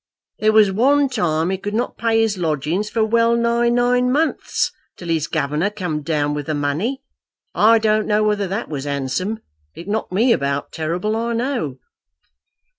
"There was one time he could not pay his lodgings for wellnigh nine months, till his governor come down with the money. I don't know whether that was handsome. It knocked me about terrible, I know."